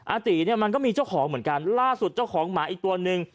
อาตีเนี่ยมันก็มีเจ้าของเหมือนกันล่าสุดเจ้าของหมาอีกตัวนึง